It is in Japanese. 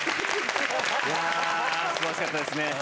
すばらしかったですね。